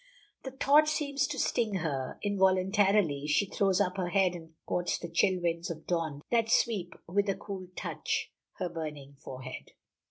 The thought seems to sting her. Involuntarily she throws up her head and courts the chill winds of dawn that sweep with a cool touch her burning forehead.